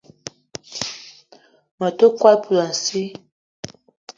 Me te kwal poulassi